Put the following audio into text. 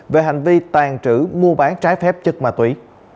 về hành vi tàn trữ mua bán trái phép chất ma túy